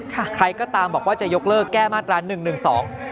ใครก็ตามบอกว่าจะยกเลิกแก้มาตราหนึ่งหนึ่งสอง